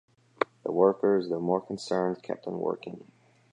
The workers, though more concerned, kept on working.